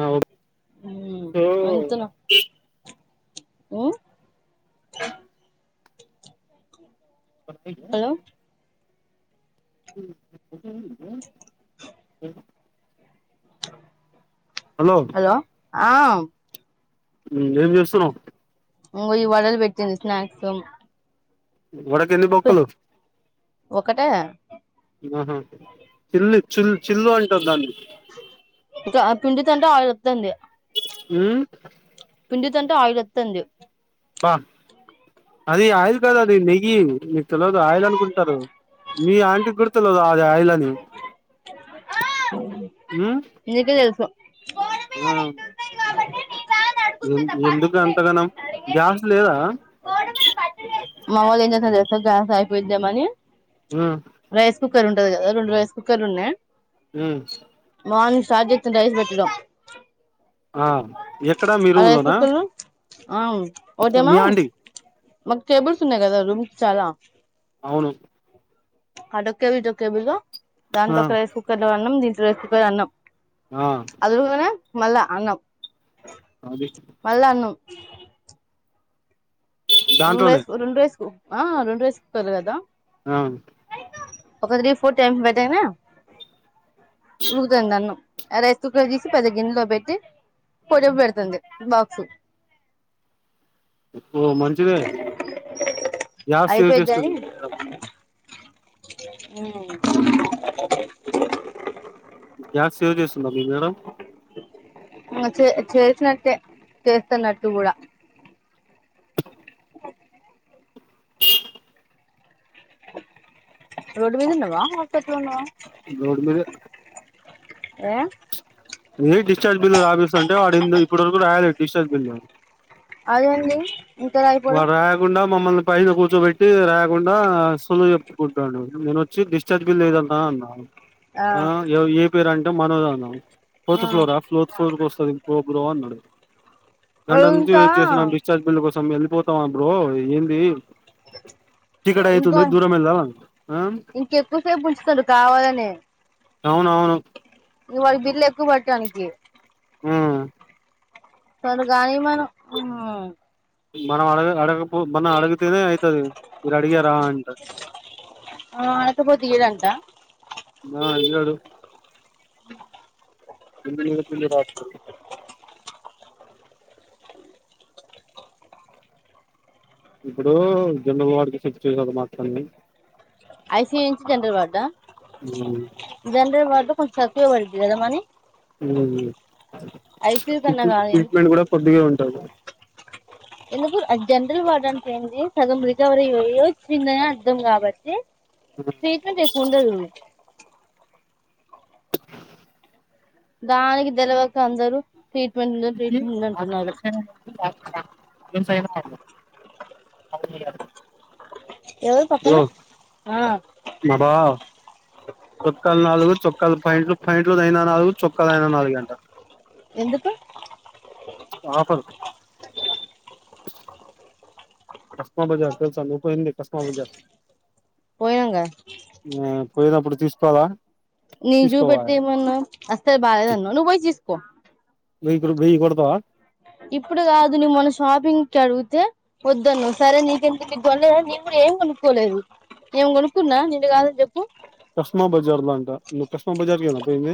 ఆ ఊ ఓకే అంతునా ఊ పడుతయ్యా హలో హలో ఆం ఉమ్ ఏం చేస్తున్నావు ఉంగ్ ఈ వడలు పెట్టింది స్నాక్స్ వరకంది పప్పులు ఒకటే ఆహా చిల్లు చిల్ చిల్లు అంటారు దాన్ని పిండుతంటే ఆయిల్ వత్తంది హ్మ్ పిండి తంటే ఆయిల్ వస్తుంది బా అది ఆయిల్ కాద్అది నెయ్యి మీకు తెలియదు ఆయిల్ అనుకుంటారు మీ ఆంటీ గుర్ తెల్వద వే ఆయిల్ అని ఉ నీకే తెలుసు ఆవు ఎం ఎందుకు అంతగనం గ్యాస్ లేదా మవోలు ఏం చేస్తునరు తెల్సా గ్యాస్ అయిపోయిదేమో అని ఆ కుక్కర్ ఉంటది గదా రెండు రైస్ కుక్కర్లు ఉన్నాయి ఉ చార్జత్ రైస్ పెట్టడం ఆ ఎక్కడా మీ ఆ రూమ్ రైస్ లోనా కుక్కర్ లో మీ ఆండి మకు టేబుల్స్ ఉన్నాయి కదా రూమ్కి చాలా అవును అటో కేబుల్ ఇటో కేబుల్ ఇగ ఆ దాంట్లో ఒక రైస్ కుక్కర్ లో అన్నం ది రైస్ కుక్కర్ ల అన్నం ఆ అది ఉడుకాగానే మళ్ళ అన్నం అది మళ్ళా అన్నం రెండు దాంట్లోనే రైస్ కు రెండు రైస్ కు ఆ రెండు రైస్ కుక్కర్ లు కదా ఆ ఒక తీ ఫోర్ టైమ్స్ పెట్టాగానే ఉడుకుతాందన్నాం రైస్ కుక్కర్ తీసి పెద్ద గిన్నెలో పెట్టి పోయేటపుడు పెడుతుంది బాక్సు ఓ మం చిదె గ్యాస్ సేవ్ చేస్తుంది మీ మేడం ఉ గ్యాస్ సేవ్ చేస్తుందా మీ మేడం చే చేసినట్టే చేస్తున్నట్టు కూడా రోడ్ మీద ఉన్నవా హస్పిటల ఉన్నావా రోడు మీదే ఎ ఏ డిశ్చార్జ్ బిల్లు రాపిస్తంటే వాడు ఏందో ఇప్పటి వరకు రాయాలిదు డిశ్చార్జ్ బిల్లు అది అండి వాడు రాయకుండా మమ్మల్ని పైన కూర్చోబెట్టి రాయ కుండా సోల్లు చెప్పుకుంటాడు నేను వచ్చి డిశ్చార్జ్ బిల్లు [unintelligible] అన్నా. ఆ ఏవ ఏ పేరంటే మనోజ్ అన్న ఫోర్త్ ఆ ఫ్లోరా ఫోర్త్ ఫ్లోర్ కోస్ పో బ్రో అన్నడు గంట వాడు నుంచి ఇంకా వెయిట్ చేస్తున్న డిస్చార్జ్ బిల్లు కోస్ తం ఎల్లి పోతావా బ్రో ఏంది చీకటి ఇంకో అయితుంది దూరం వెళ్ళాలి ఆ ఇంకెక్కువసేపు ఉంచుతాడు కావాలనే అవునవును నువ్వు అది బిల్ ఎకువ్వు కట్ అనికి హ్మ్మ్ సరే గానిమను హ్మ్మ్ మనం అడగ అడగపో మనం అడిగితేనే అయితది మీరు అడిగే ఆ ఆడకపోతే ఇయడంట ఆ ఇయ్యడు ఎంది చెప్పింది రాత్తిరి ఇప్పుడు జండ్రల్ వార్డ్ కి షిఫ్ట్ చేయరాదు మాఅత్తని ఐసియు నుంచి జండ్రల్ వార్డ జండ్రల్ వార్డు కొంచక్కువే పడుద్దిగా మనీ మ్మ్ ఐసీయూ కన్నా టీటు కాదు ట్రీట్మెంట్ కూడా కొద్దిగా ఉం టది ఎందుకు జండ్రల్ వార్డు అనిపోయింది సగం రికవరీ అయి వచ్చిందనే అర్ధం కాబట్టి. ట్రీట్మెంట్ ఎక్కువుండదు దానికి దెలవక అందరూ ట్రీట్మెంట్ ఉంద ట్రీట్మెంట్ ఉందంటున్నారు మేం సైద్రాబాద్ లో [unintelligible] ఎవరు పక్కన బ్రో ఆ మా బావ చొక్కలు నాలుగు చొక్కాలు పాయింట్లు పాయింట్ అయినా నాలుగు చొక్కాల అయినా నాలుగె అంట ఎందుకు ఆఫర్ కస్మా బజార్ తెల్సా మీకుంది కస్మా బజార్ పోయాంగ పోయినప్పుడు తీసుకోలా నీ చూపెడితే ఏమన్నావ్ అస్తే బాలేదన్నావ్ నువ్వు పోయి తీసుకో కొ నువ్వు ఇప్పుడు వెయ్యి కొడతావా ఇప్పుడు కాదు నువ్వు మొన్న షాపింగ్కి అడిగితే వద్దనవ్ సరే నీకెందుకు ఇబ్బంది అని నేను కూడా ఏం కొనుక్కోలేదు నేను కొనుక్కున్నా నిన్ను కాదని చెప్ప కస్మా బజార్ బలాంట కస్మా బజార్ క పోయింది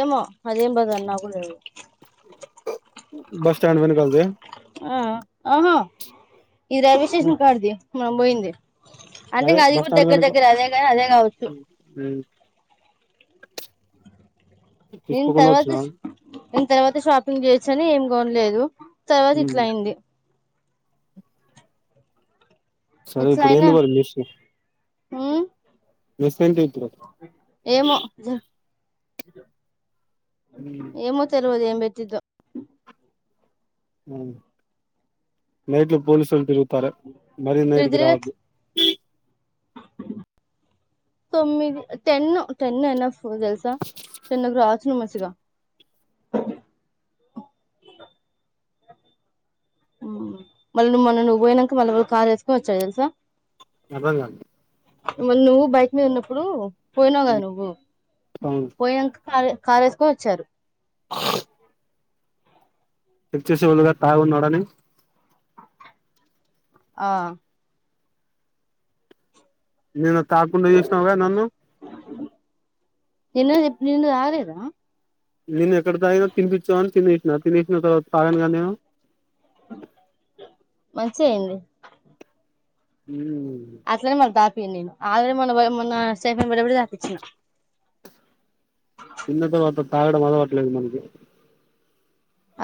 ఏమో అదేం బజార్ నాకు కూడా తెల్వదు బస్ స్టాడ్ వె నకల్ద ఈ రైల్వే స్టేషన్ కడడి మేం పోయింది అంటే అదే ఇ అది బస్ కూడా స్టాండ్ దగ్గర వెనక దగ్గర అదే కానీ అదే కావచ్చు నేను తీసుకోకుండా తర్వాత వచ్చినా నేను తర్వాత షాపింగ్ చేయచ్చనిం కోన్లేదు తర్వాత ఇట్లా అయింది సరే ఇప్పుడు ఎంది వాళ చస ఆ మెస్ ఎంతరు ఇజా ఏమో తెరువదు ఏం బట్టి తిరో నైట్ లో పోలీస్ల్తరు త మరి నైటీ ఇడిదిరిగి రావదు తొమ్మిది టెన్న టెన్న ఎన్నఫ తెలుసా టెన్నకు రావచు మంచిగా మళ్ళీ మన నువ్వు పోయినాక మళ్ళీ వాళ్ళు కార్ వేసుకొని వచ్చ తెలుసా అర్థం కల మళ్ళ నువ్వు బైక్ మీద ఉన్నప్పుడు పోయిన కదా నువ్వు అవును పోయినాంక కా కారేసుకొ వచ్చారు చెక్ చసి ఉల్గ తాగి వునాడు అని ఆ నేను తక్కుండ చేసినావుగాద నన్ను నిన్నప్పు నిన్న తగనిద నేను ఎక్కడ తగిన తిపించా అని తి తినేసేనక తగను కదా నేను మంచి అయింది ఉ అట్లని మరి నేను ఆలే మన మొన్న సేఫ బబడి తపచ్చిన తిన్న తర్వాత తాగడం అదవట్లేదు మనకి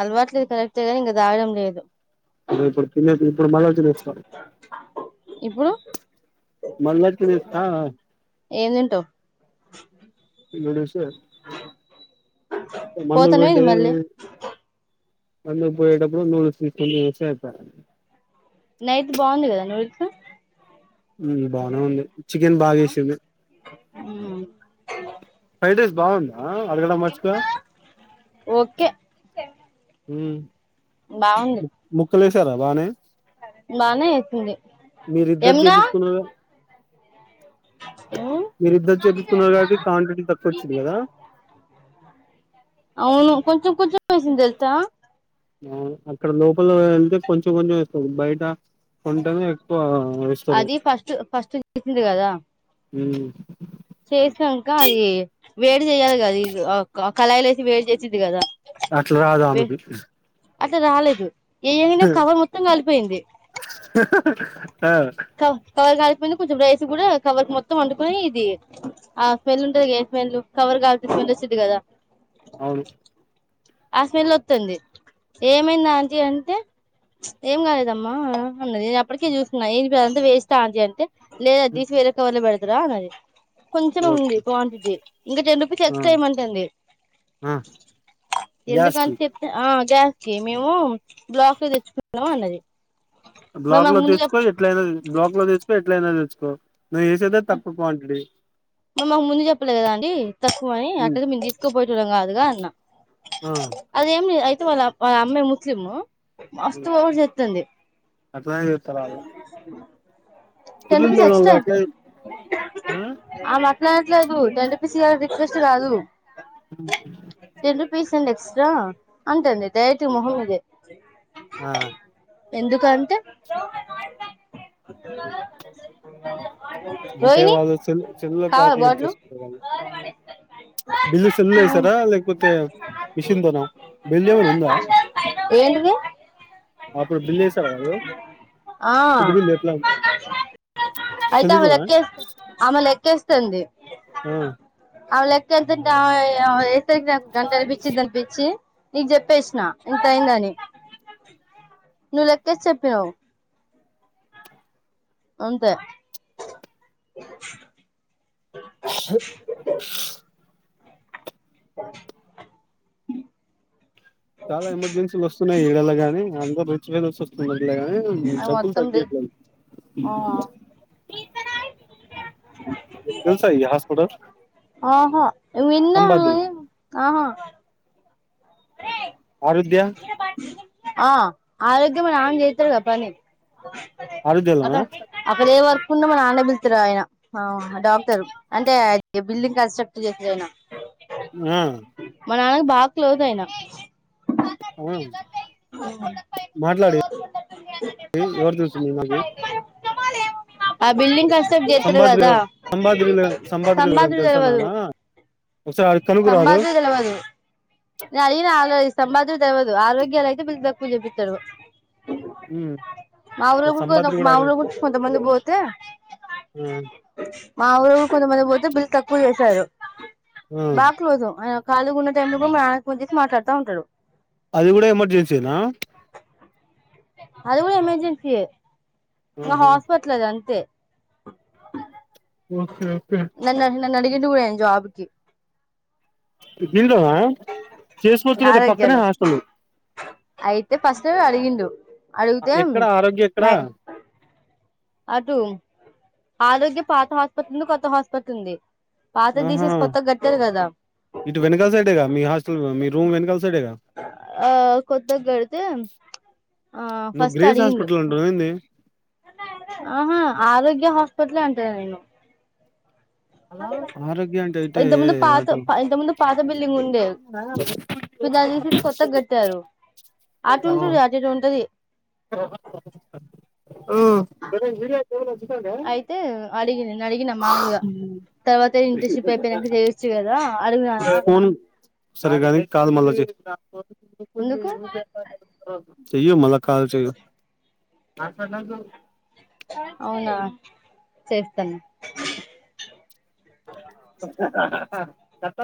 అలవాట్లేది కరెక్ట కానీ ఇంక దాగడం లేదు అదే పడు ఇప్పుడు మనతుస్తకోం ఇప్పుడు మల్కిస్తా ఏం తింటావు ఇ పోతానే మందుబంట ఏంది మళ్ళీ వందు పోయిటప్పుడు నూలుకన్న వసాత నైతే బాగుంది కదా నువడుత బానే ఉంది చికెన్ బాగా చేసింది ఉ అే బాగుంంది ఆ అడగడ మచగా ఓకే అ బాగుంది ము ము క్కలేసారా బాగానే బానే వసింది మీరిద్దరు ఎమనా చేపించుకున్నారు మీరిద్దరు చెపిస్తున్నారు కాబట్టి క్వాంటిటీ తక్కువ వచ్చింది కదా వసి తెలుసా అక్కడ లోపల వెళ్తే కొంచెం కొంచెం ఇస్తుంది బయట కొంటేనే ఎక్కువ వేస్తారు అది ఫస్ట్ ఫస్ట్ చేసింది కదా ఉ చేసినంక అది వేడి చేయాలి కదా కళయిలే వసి వేడి చేసిది కదా అట్లా రాదు ఆమెకి అసే రాలేదు ఏనా కవర్ మొత్తం కాలిపోయింది ఆ కా కా కొంచెం రైస్ కూడా కవర్ క మొత్తం వండుకొని ఇది ఆ స్మెల్ ఉంటది స్మెల్ కవర్ కల్త స్మెల్ వచ్చింది కదా అవును ఆ స్మెల్ వస్తుంది ఏమైంది ఆంటీ అంటే ఏం కాలేదమ్మా అన్నది నేను ఎప్పటికే చూసున్నా ఏంంతా వేస్తా ఆంటీ అంటే లేద ద తీ స వేర కావాల బడతుంది రాన్నది కొంచెం ఉంది ఓకే క్వాంటిటీ ఇంకా టెన్ రూపీస్ ఆ ఎక్స్ట్రా ఏమంటంది ఆ ఎందు గ్యాస్ కి కాని చెప్తే జస్కి మేము బ్లాక్లు తెచ్చుకున్నాాం అన్నది మరి బ్లాక్ మాకు లో ముందు చెప్ తెచ్చుకో ఎట్లయి తే బ్లాక్ లో తెచ్చుకో ఎట్లయినా తెచ్చుకో నువ్వు చేసేదా తక్కువ క్వాంటిటీ నువ్ మాకు ముందు చెప్పలే కదా అండి తక్కువ అని ఉమ్, అట్టనే మేము తీసుకోపోయొటోళ్ళం కాదుగా అన్నా ఆ అదేమ్ లే [unintelligible] వాల్ వాళ్ళ అమ్మె ముస్లిము మస్తు ఓవర్ చెత్తుంది. అట్లనే చెతారు ఆళ్ళు టెన్ రూపీస్ ఎక్స్ట్రా [unintelligible] ప్లాట్ ట్లేదు టెన్ రూపీస్ ఇయ్యాలని రిక్వెస్ట్ కాదు. ఆ ఫీస్ అండ్ ఎక్సట్రా అంతే అండీ. డైరెక్టలీ మొహం మీదే ఆ ఎందుకంటే ర అంటే వాళ్ళు సెల్ సేల్ లో కావాలా కాల్క్యూలేట్ బాటిలు చేసుకుంటారు. బిల్లు సెల్లులో వేసారా లేకపోతే మిషన్ లోనా బిల్ ఏమైనా ఉందా, ఏంటిది అప్పుడు బిల్లు వేసారా వాళ్ళు ఆ ఫుడ్ బిల్ ఎట్లా సెల్లుతోనా ఆమె లెక్కేస్ తుంది. ఆ ఆమె లెక్కే ఎత్తే [unintelligible] [unintelligible] పిచ్చి నీకు చెప్పేసిన ఇంత అయిందని, నువ్వు లెక్కేసి చెప్పినావు అంతే చె అ చాలా ఎమర్జెన్సీలు వస్తున్నాయి. ఈడలా గానీ అంద [unintelligible] ఉన్నాది. [unintelligible] అది చప్పులు మొత్తం తగ్గియట్లేదు. ఆ తెలుసా ఈ హాస్పిటల్ అ విన్న సంపాద్రి కానీ ఆహా అరే ఆరుధ్య ఆ ఆరోగ్యంల మా నాన్న చేత్తరు కదా పని. ఆరుద్యలోనా అక్కడ అక్కడ ఏ వర్ కుండా మా నాన్నబిలుతరాయన ఆ డాక్టర్ అంటే అది బిల్డింగ్ కన్స్ట్రక్ట్ చేస్తారు ఆయన. ఆ మా నాన్నకు బాగా క్లోజ్ అయినా. ఆ మాట్లాడి ఎవరు చూస్తుంది మాకి ఆ బిల్డింగ్ రియలెస్టేట్ చేత్తడు సంబాద్రి కదా సంబాద్రిలో సంబాద్రిలో ఎవరైనా సంబాతులు తెలుసా తెలవదు. నానా ఒకసారి అడిగి కనుక్కురాదు సంబాతులు తెలవదు. నేను అదీన ఆలోచిస్తా సంబాదూద్ తెలవదు ఆరోగ్యలా అయితే బిల్డప్కు చూపితడు. మాఊర్ల కూడ కొ సంబాద్రి కూడా మా అడుగు ఊర్ల కొందమంది పోతే ఆ మా ఊరు కొంతమంది పోతే బిల్ తక్కువ చేశారు. ఆ బాక్లోజు అయినా కాలిగ ఉన్న టైంలో కూడా మ నాన్నకు ఫోన్ చేసి మాట్లాడుతా ఉంటడు. అది కూడా ఎమర్జెన్సీనా అది కూడా ఎమర్జెన్సీయే నా ఆహా హాస్పిటల్ అది అంతే. ఆ ఓకే ఓకే నన్ను అడిగిండు కూడా ఆయన జాబ్కి దీనిలోన చేసుకోవచ్చు కదా పక్కనే ఆరోగ్యలో హాస్టల్. అయితే ఫస్ట్ అడిగిండు అడిగితే ఎక్కడ ఆరోగ్యా ఎక్కడ? నై అటు ఆరోగ్య పాత హాస్పటల్ ఉంది కొత్త హాస్పటల్ ఉంది. పాతది ఆహా తీసేసి కొత్తగా కట్టారు కదా ఇటు వెనకాల సైడేగా మీ హాస్టల్ మీ రూమ్ వెనకాల సైడేగా ఆ కొత్తగా కడితే ఆ నువ్వు ఫస్ట్ గ్రేస్ అడిగిండు. హాస్పిటల్ అంటున్నావు ఏంది ఆహా ఆరోగ్య హాస్పిటల్ అంటన్న నేను. ఆరోగ్య అంటే ఇటే అటు కొత్త బిల్డింగ్ ఉండే ఇప్పుడు దాన్ని తీసేసి కొత్తగా గట్టారు అటు ఉంటుండే అటు ఎటో ఉంటది. హ్ అయితే అడిగి నేను అడిగిన మామలుగా తర్వాతే ఇంటర్న్షిప్ అయిపోయినంక చేయొచ్చు కదా అడగనా అన్నా. ఫోన్ దానికి పోతు కుద్ది వ్యాప చెయ్యు మల్లా కాల్ చెయ్యు అవునా చేస్తాలే [unintelligible] తప్